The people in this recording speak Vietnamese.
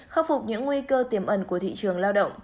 khắc phục những nguy cơ tiềm ẩn của thị trường lao động